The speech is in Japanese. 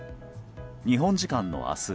日本時間の明日